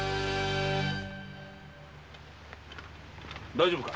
大丈夫か？